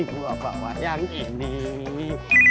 gua bawa yang ini